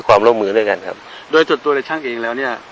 ความล่มมือด้วยกันครับโดยตัวในสั้นอย่างเงี้ยแล้วเนี่ย